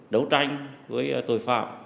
đấu tranh với tội phạm